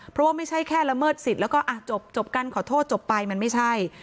เพราะว่าไม่ใช่แค่ละเมิดสิทธิ์แล้วก็จบกันขอโทษจบไปมันไม่ใช่